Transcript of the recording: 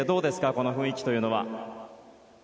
この雰囲気というのは。